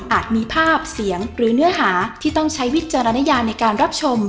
มีภาพเสียงหรือเนื้อหาที่ต้องใช้วิจารณญาในการรับชม